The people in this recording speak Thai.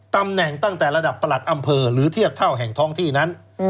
ตำแหน่งตั้งแต่ระดับประหลัดอำเภอหรือเทียบเท่าแห่งท้องที่นั้น